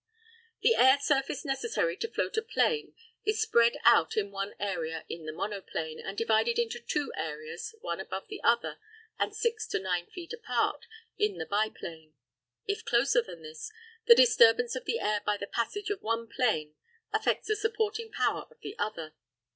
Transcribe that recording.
The air surface necessary to float a plane is spread out in one area in the monoplane, and divided into two areas, one above the other and 6 to 9 feet apart, in the biplane; if closer than this, the disturbance of the air by the passage of one plane affects the supporting power of the other.